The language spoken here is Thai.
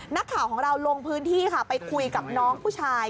นักข่าวของเราลงพื้นที่ค่ะไปคุยกับน้องผู้ชาย